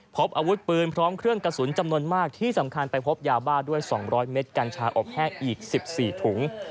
พบอาวุธปืนพร้อมเครื่องกระสุนจำนวนมากที่สำคัญไปพบยาบ้าด้วย๒๐๐เมตรกัญชาอบแห้งอีก๑๔ถุง